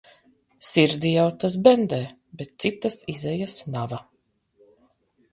Sirdi jau tas bendē, bet citas izejas nava.